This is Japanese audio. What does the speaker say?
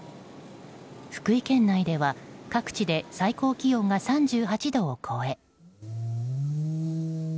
福井県内では各地で最高気温が３８度を超え。